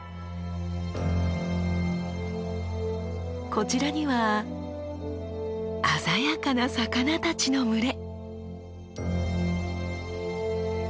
こちらには鮮やかな魚たちの群れ。